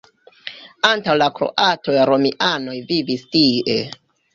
Antaŭ la kroatoj romianoj vivis tie.